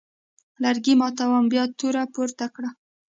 لرګي ماتوونکي بیا توره پورته کړه.